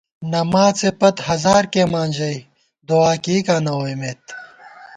نماڅے پت ہزار کېئیمان ژَئی دُعا کېئیکاں نہ ووئیمېت